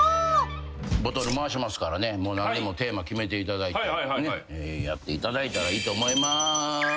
ボトル回しますからね何でもテーマ決めていただいてやっていただいたらいいと思います。